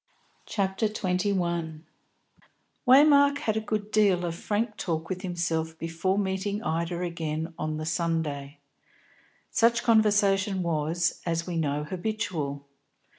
CHAPTER XXI DIPLOMACY Waymark had a good deal of frank talk with himself before meeting Ida again on the Sunday. Such conversation was, as we know, habitual.